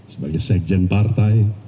sebagai sekjen partai